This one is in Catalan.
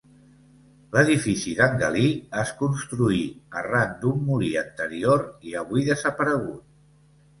L'edifici d'en Galí es construí arran d'un molí anterior i avui desaparegut.